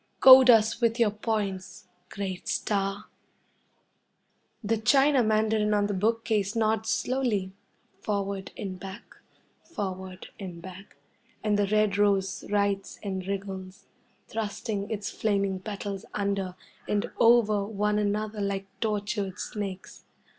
Goad us with your points, Great Star! The china mandarin on the bookcase nods slowly, forward and back forward and back and the red rose writhes and wriggles, thrusting its flaming petals under and over one another like tortured snakes.